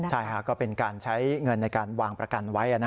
ใช่ค่ะก็เป็นการใช้เงินในการวางประกันไว้